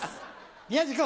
宮治君。